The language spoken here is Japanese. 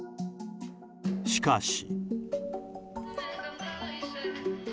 しかし。